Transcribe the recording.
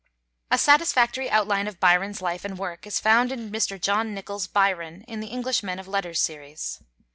A satisfactory outline of Byron's life and work is found in Mr. John Nichol's 'Byron' in the 'English Men of Letters' series.